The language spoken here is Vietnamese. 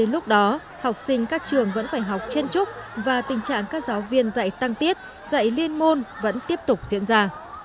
lúc đó học sinh các trường vẫn phải học trên trúc và tình trạng các giáo viên dạy tăng tiết dạy liên môn vẫn tiếp tục diễn ra